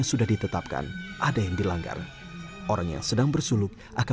mereka tidak boleh berkata kata yang tidak berkata kata yang tidak berkata kata